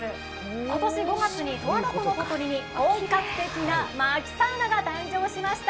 今年５月に十和田湖のほとりに本格的なまきサウナが誕生しました。